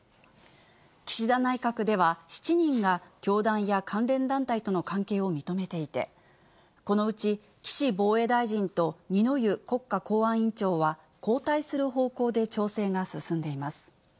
岸田内閣では、７人が教団や関連団体との関係を認めていて、このうち岸防衛大臣と二之湯国家公安委員長は交代する方向で調整が進んでいます。